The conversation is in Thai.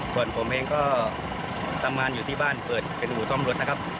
ส่วนผมเองก็ตำมานอยู่ที่บ้านเปิดเป็นหมู่ซ่อมรถ